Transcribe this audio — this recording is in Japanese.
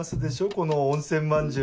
この温泉まんじゅう。